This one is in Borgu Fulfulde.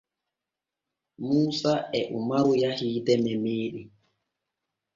Muusa e umaru yahii deme meeɗen.